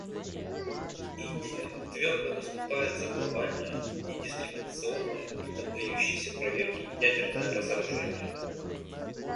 Индия твердо выступает за глобальное, недискриминационное и поддающееся проверке ядерное разоружение.